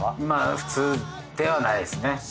まあ普通ではないですね